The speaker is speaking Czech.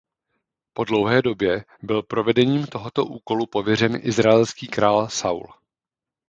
Po dlouhé době byl provedením tohoto úkolu pověřen izraelský král Saul.